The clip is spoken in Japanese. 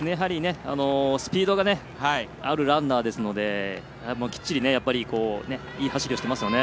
スピードがあるランナーですのできっちりいい走りをしていますね。